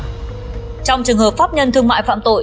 trong trường hợp pháp nhân thương mại phạm tội